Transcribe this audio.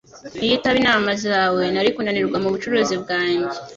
Iyo itaba inama zawe, nari kunanirwa mubucuruzi bwanjye